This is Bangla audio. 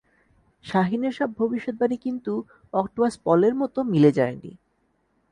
শাহিনের সব ভবিষ্যদ্বাণী কিন্তু অক্টোপাস পলের মতো মিলে যায়নি।